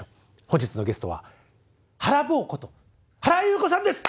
本日のゲストはハラボーこと原由子さんです。